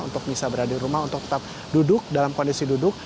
untuk bisa berada di rumah untuk tetap duduk dalam kondisi duduk